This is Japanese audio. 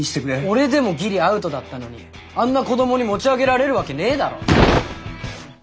俺でもぎりアウトだったのにあんな子どもに持ち上げられるわけねえだろ。